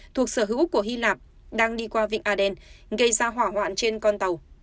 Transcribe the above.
thuộc sở hữu của hy lạp đang đi qua vịnh aden gây ra hỏa hoạn trên con tàu